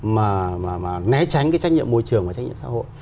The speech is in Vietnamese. mà né tránh cái trách nhiệm môi trường và trách nhiệm xã hội